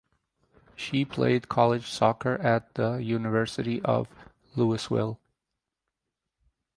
She played college soccer at the University of Louisville.